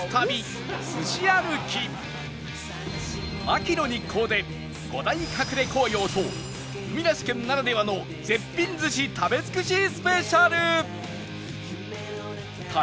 秋の日光で５大隠れ紅葉と海なし県ならではの絶品寿司食べ尽くしスペシャル！